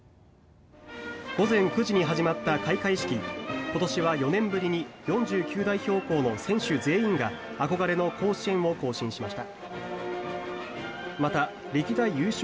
午前９時に始まった開会式今年は４年ぶりに４９代表校の選手全員が憧れの甲子園を行進しました。